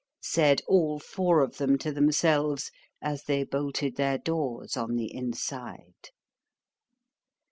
said all four of them to themselves, as they bolted their doors on the inside.